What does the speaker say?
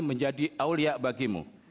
menjadi awliya bagimu